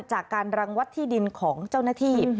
การรังวัดที่ดินของเจ้าหน้าที่